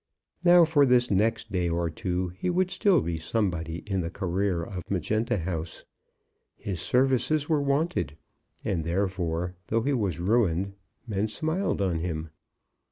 Now, for this next day or two he would still be somebody in the career of Magenta House. His services were wanted; and therefore, though he was ruined, men smiled on him.